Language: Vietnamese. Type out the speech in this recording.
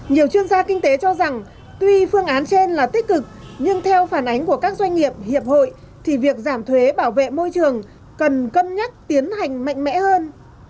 nhiều chuyên gia kinh tế cho rằng tuy phương án trên là tích cực nhưng theo phản ánh của các doanh nghiệp hiệp hội thì việc giảm thuế bảo vệ môi trường cần cân nhắc tiến hành mạnh mẽ hơn